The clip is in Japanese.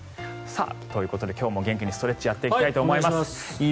ということで今日も元気にストレッチやっていきたいと思います。